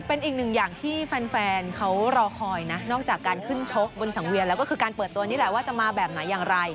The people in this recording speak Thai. เป็นอีกหนึ่งอย่างที่แฟนเขารอคอยนะนอกจากการขึ้นชกบนสังเวียนแล้วก็คือการเปิดตัวนี่แหละว่าจะมาแบบไหนอย่างไร